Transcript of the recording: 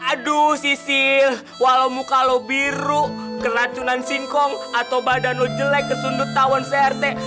aduuh sisil walau muka lo biru keracunan sinkong atau badan lo jelek kesundut tawan crt